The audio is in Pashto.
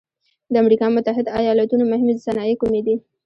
د امریکا متحد ایلاتو مهمې صنایع کومې دي؟